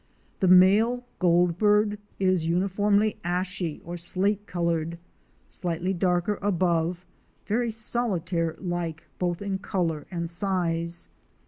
The male Goldbird is uniformly ashy or slate colored, slightly darker above, very Solitaire like both in color and size.